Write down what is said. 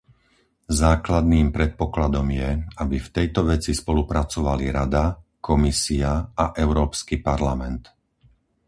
základným predpokladom je, aby v tejto veci spolupracovali Rada, Komisia a Európsky parlament;